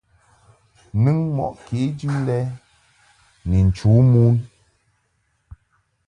Nɨŋ mɔʼ kejɨ lɛ ni nchu mon.